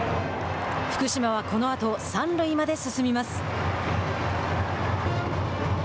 福島は、このあと三塁まで進みます。